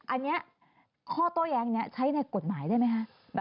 อันนี้ข้อโต้แย้งนี้ใช้ในกฎหมายได้ไหมคะ